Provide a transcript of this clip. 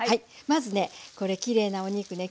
まずねこれきれいなお肉ね。